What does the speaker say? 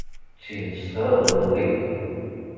D tidet tɣabeḍ iḍelli?